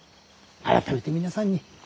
改めて皆さんに。